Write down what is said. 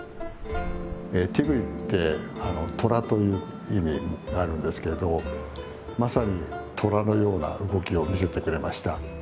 ティグリって虎という意味があるんですけどまさに虎のような動きを見せてくれました。